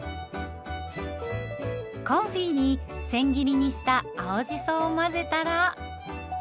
コンフィにせん切りにした青じそを混ぜたら。